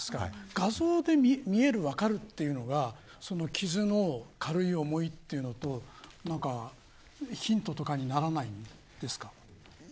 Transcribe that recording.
画像で見える、分かるというのがその傷の軽い重いというのとか何かヒントとかにならないんですか。